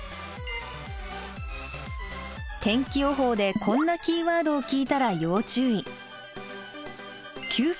天気予報でこんなキーワードを聞いたら要注意。